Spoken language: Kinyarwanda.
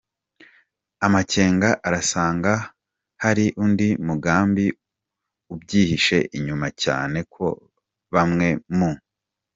amakenga, arasanga hari undi mugambi ubyihishe inyuma cyane ko bamwe mu